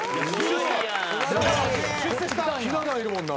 ひな壇いるもんな。